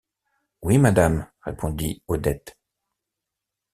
Oui, Madame, répondit Odette.